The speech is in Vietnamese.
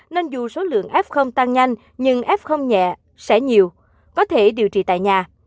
nên dù số lượng f tăng nhanh nhưng f không nhẹ sẽ nhiều có thể điều trị tại nhà